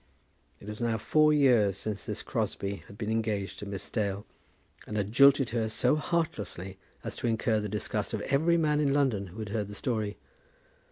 It was now four years since this Crosbie had been engaged to Miss Dale, and had jilted her so heartlessly as to incur the disgust of every man in London who had heard the story.